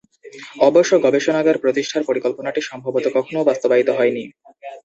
অবশ্য গবেষণাগার প্রতিষ্ঠার পরিকল্পনাটি সম্ভবত কখনওই বাস্তবায়িত হয় নি।